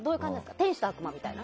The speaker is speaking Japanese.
天使と悪魔みたいな？